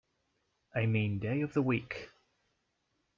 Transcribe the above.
I mean day of the week.